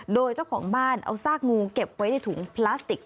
โดยเจ้าของบ้านเอาซากงูเก็บไว้ในถุงพลาสติก